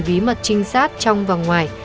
bí mật trinh sát trong và ngoài